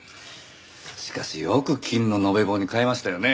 しかしよく金の延べ棒に換えましたよね。